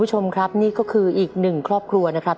คุณผู้ชมครับนี่ก็คืออีกหนึ่งครอบครัวนะครับ